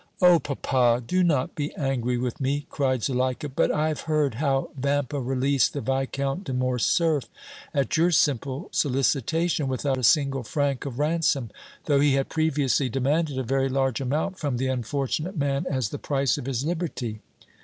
"Oh! papa, do not be angry with me!" cried Zuleika; "but I have heard how Vampa released the Viscount de Morcerf at your simple solicitation without a single franc of ransom, though he had previously demanded a very large amount from the unfortunate man as the price of his liberty.